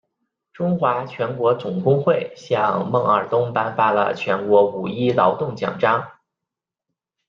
中华全国总工会向孟二冬颁发了全国五一劳动奖章。